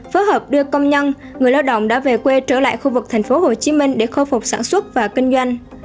phó hợp đưa công nhân người lao động đã về quê trở lại khu vực thành phố hồ chí minh để khôi phục sản xuất và kinh doanh